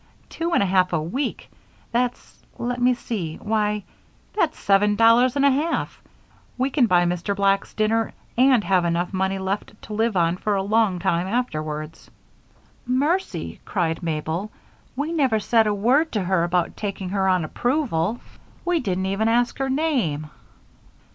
Two and a half a week! That's let me see. Why! that's seven dollars and a half! We can buy Mr. Black's dinner and have enough money left to live on for a long time afterwards." "Mercy!" cried Mabel. "We never said a word to her about taking her on approval. We didn't even ask her name."